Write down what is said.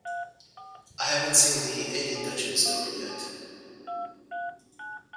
I haven't seen "The Eddy Duchin Story" yet!